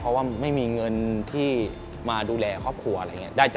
เพราะว่าไม่มีเงินที่มาดูแลครอบครัวอะไรอย่างนี้